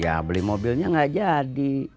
ya beli mobilnya nggak jadi